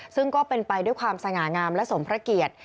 ซึ่งก็เป็นไปด้วยความสง่างามและสมพระเกียรติ